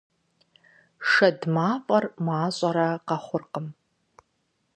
Шэд мафӀэр мащӀэрэ къэхъуркъым.